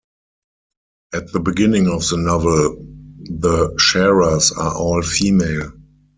At the beginning of the novel, the Sharers are all female.